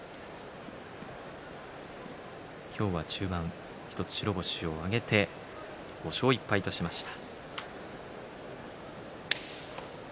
今日は中盤１つ白星を挙げて５勝１敗としました。